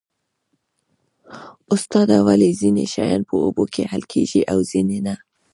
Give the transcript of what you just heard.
استاده ولې ځینې شیان په اوبو کې حل کیږي او ځینې نه